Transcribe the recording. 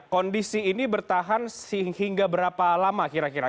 kondisi ini bertahan sehingga berapa lama kira kira